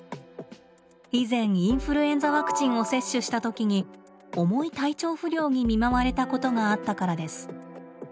以前インフルエンザワクチンを接種した時に重い体調不良に見舞われたことがあったからです。